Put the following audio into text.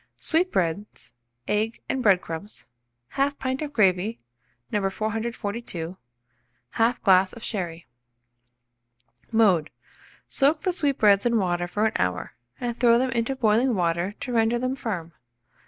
Sweetbreads, egg and bread crumbs, 1/2 pint of gravy, No. 442, 1/2 glass of sherry. Mode. Soak the sweetbreads in water for an hour, and throw them into boiling water to render them firm.